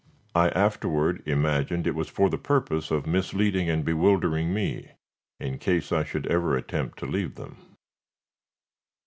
I afterward imagined it was for the purpose of misleading and bewildering me in case I should ever attempt to leave them.